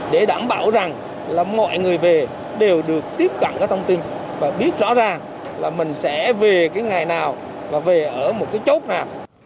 để đảm bảo rằng là mọi người về đều được tiếp cận cái thông tin và biết rõ ràng là mình sẽ về cái ngày nào và về ở một cái chốt nào